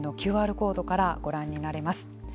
ＱＲコードからご覧になれます。